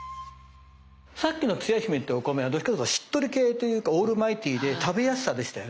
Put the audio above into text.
さっきのつや姫ってお米はどっちかというとしっとり系というかオールマイティーで食べやすさでしたよね。